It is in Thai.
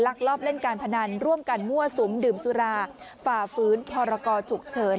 ลอบเล่นการพนันร่วมกันมั่วสุมดื่มสุราฝ่าฟื้นพรกรฉุกเฉิน